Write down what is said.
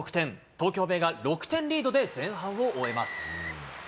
東京ベイが６点リードで前半を終えます。